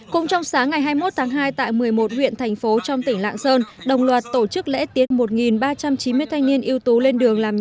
cùng trong sáng ngày hai mươi một tháng hai tại một mươi một huyện thành phố trong tỉnh lạng sơn đồng loạt tổ chức lễ tiết một ba trăm chín mươi thanh niên yếu tố lên đường làm nhạc